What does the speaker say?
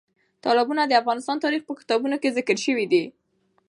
تالابونه د افغان تاریخ په کتابونو کې ذکر شوی دي.